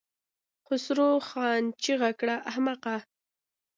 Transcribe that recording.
خسرو خان چيغه کړه! احمقه!